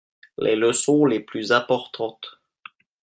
Les leçons les plus importantes.